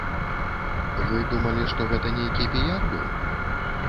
Вы думалі, што гэта нейкі піяр быў?